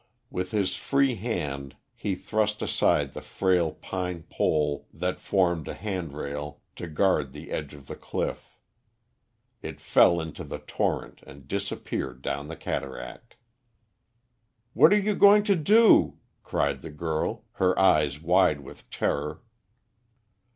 With his free hand he thrust aside the frail pine pole that formed a hand rail to guard the edge of the cliff. It fell into the torrent and disappeared down the cataract. "What are you going to do?" cried the girl, her eyes wide with terror.